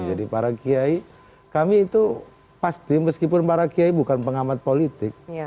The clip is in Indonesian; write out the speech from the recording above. jadi para kiai kami itu pasti meskipun para kiai bukan pengamat politik